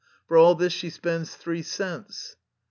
For all this she spends three cents.